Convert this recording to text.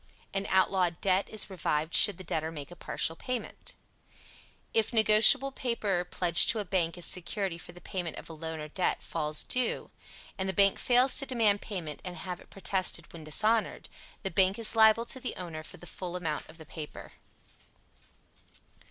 An outlawed debt is revived should the debtor make a partial payment. If negotiable paper, pledged to a bank as security for the payment of a loan or debt, falls due, and the bank fails to demand payment and have it protested when dishonored, the bank is liable to the owner for the full amount of the paper.